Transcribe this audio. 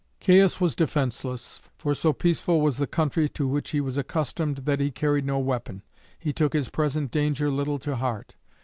Caius was defenceless, for so peaceful was the country to which he was accustomed that he carried no weapon. He took his present danger little to heart.